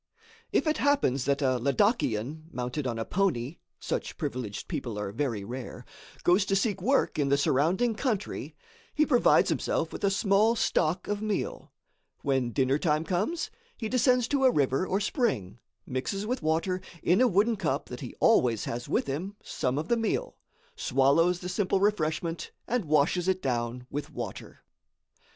If it happens that a Ladakian, mounted on a pony (such privileged people are very rare), goes to seek work in the surrounding country, he provides himself with a small stock of meal; when dinner time comes, he descends to a river or spring, mixes with water, in a wooden cup that he always has with him, some of the meal, swallows the simple refreshment and washes it down with water.